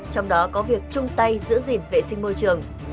trong đó có việc chung tay giữ gìn vệ sinh môi trường